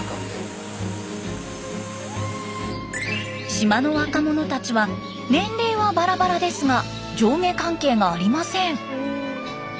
島の若者たちは年齢はバラバラですが上下関係がありません。